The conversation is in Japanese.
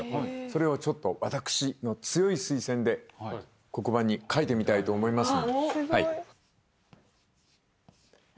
それをちょっと私の強い推薦ではい黒板に書いてみたいと思います